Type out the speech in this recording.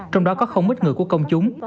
trong đó có không ít người của công chúng